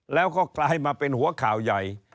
แล้วก็กลายมาเป็นหัวข่าวใหญ่